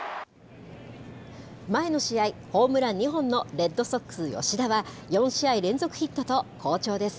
前の試合、ホームラン２本のレッドソックス、吉田は、４試合連続ヒットと好調です。